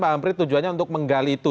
pak amprit tujuannya untuk menggali itu